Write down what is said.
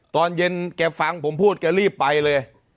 ตอนเย็นแกฟังผมพูดแกรีบไปเลย